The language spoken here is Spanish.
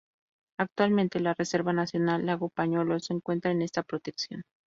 Actualmente la Reserva Nacional Lago Peñuelas se encuentra en esta protección.